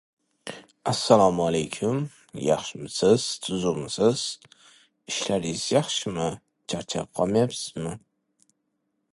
This theory is presented in great detail in Book X of Euclid's "Elements".